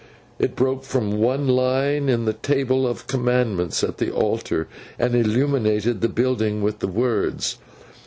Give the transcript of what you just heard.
It broke from one line in the table of commandments at the altar, and illuminated the building with the words.